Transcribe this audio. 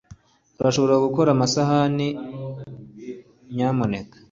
Urashobora gukora amasahani nyamuneka